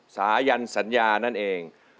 สายันสัญญานั่นเอง